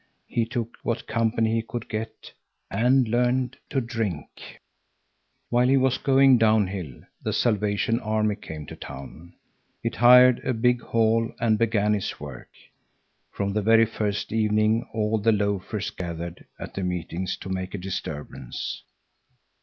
He took what company he could get, and learned to drink. While he was going down hill, the Salvation Army came to the town. It hired a big hall and began its work. From the very first evening all the loafers gathered at the meetings to make a disturbance.